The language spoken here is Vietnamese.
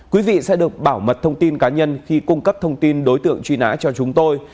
quý vị sẽ được bảo mật thông tin cá nhân khi cung cấp thông tin đối tượng truy nã cho chúng tôi